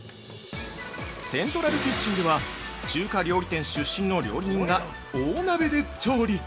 ◆セントラルキッチンでは中華料理店出身の料理人が大鍋で調理。